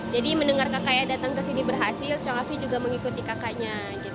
jadi mendengar kakaknya datang ke sini berhasil chong afi juga mengikuti kakaknya